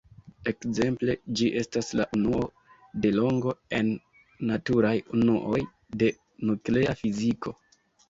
Ekzemple, ĝi estas la unuo de longo en naturaj unuoj de nuklea fiziko.